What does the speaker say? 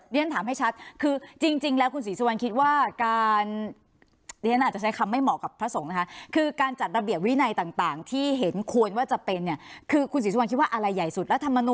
เรียนถามให้ชัดจริงแล้วคุณศรีชะวัลคิดว่าการ